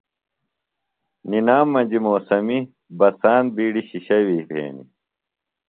نِنام مجیۡ موسمی بسان بِیڈیۡ شِشیویۡ بھینیۡ۔